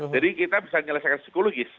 jadi kita bisa menyelesaikan psikologis